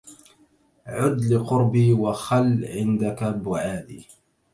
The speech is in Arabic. عد لقربي وخل عنك بعادي